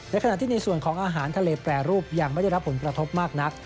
ขณะที่ในส่วนของอาหารทะเลแปรรูปยังไม่ได้รับผลกระทบมากนัก